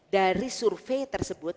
dari survei tersebut